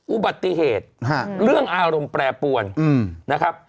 อุบัติเหตุเรื่องอารมณ์แปรปวนนะครับ